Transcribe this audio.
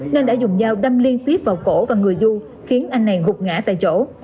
nên đã dùng dao đâm liên tiếp vào cổ và người du khiến anh này gục ngã tại chỗ